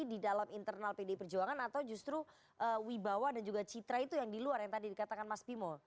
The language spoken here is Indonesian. di dalam internal pdi perjuangan atau justru wibawa dan juga citra itu yang di luar yang tadi dikatakan mas bimo